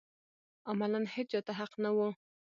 عملاً هېچا ته حق نه و